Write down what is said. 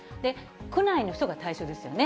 区内の人が対象ですよね。